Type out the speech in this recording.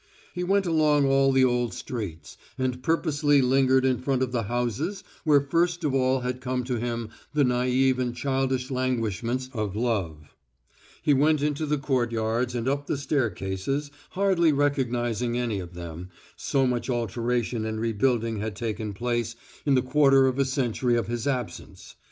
He went along all the old streets, and purposely lingered in front of the houses where first of all had come to him the naïve and childish languishments of love; he went into the courtyards and up the stair cases, hardly recognising any of them, so much alteration and rebuilding had taken place in the quarter of a century of his absence.